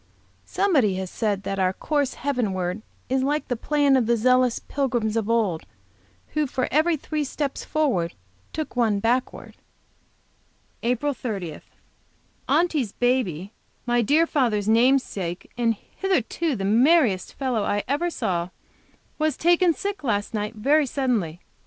Somebody has said that 'our course heavenward is like the plan of the zealous pilgrims of old, who for every three steps forward, took one backward.' APRIL 30. Aunty's baby, my dear father's namesake, and hitherto the merriest little fellow I ever saw, was taken sick last night, very suddenly.